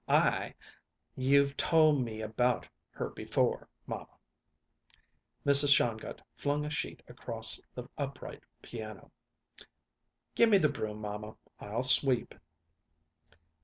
I " "You've told me about her before, mamma." Mrs. Shongut flung a sheet across the upright piano. "Gimme the broom, mamma. I'll sweep."